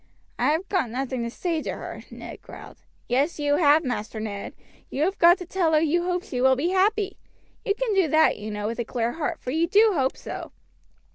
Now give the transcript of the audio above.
"I have got nothing to say to her," Ned growled. "Yes, you have, Master Ned; you have got to tell her you hopes she will be happy. You can do that, you know, with a clear heart, for you do hope so.